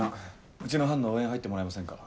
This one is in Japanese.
うちの班の応援入ってもらえませんか？